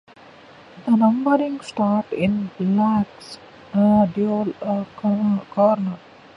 The numbering starts in Black's double-corner.